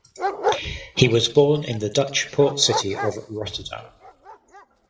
He was born in the Dutch port city of Rotterdam.